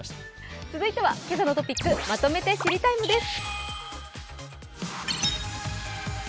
続いては「けさのトピックまとめて知りＴＩＭＥ，」です。